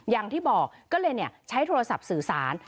อย่างที่บอกก็เลยใช้โทรศัพท์สื่อสาร